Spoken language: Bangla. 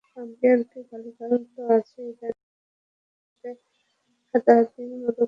আম্পায়ারকে গালি-গালাজ তো আছেই ইদানীং খেলোয়াড়দের মধ্যেও হাতাহাতির মতো ঘটনা ঘটছে।